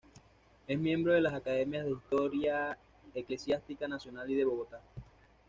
Es miembro de las Academias de Historia Eclesiástica Nacional y de Bogotá.